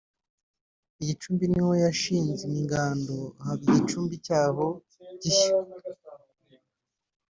i Gicumbi niho yashinze ingando haba igicumbi cyayo gishya